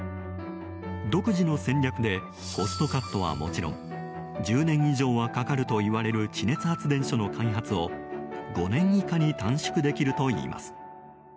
独自の戦略でコストカットはもちろん１０年以上はかかるといわれる地熱発電所の開発を５年以下に短縮できるといいます。